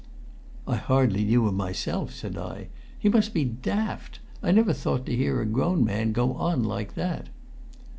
"I hardly knew him myself," said I. "He must be daft! I never thought to hear a grown man go on like that."